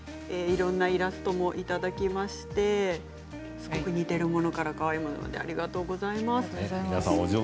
いろんなイラストもいただきましてすごく似ているものからかわいいものもあってありがとうございます。